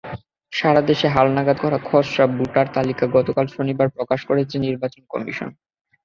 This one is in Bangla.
সারা দেশে হালনাগাদ করা খসড়া ভোটার তালিকা গতকাল শনিবার প্রকাশ করেছে নির্বাচন কমিশন।